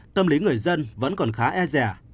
tâm lý người dân vẫn còn khá e dẻ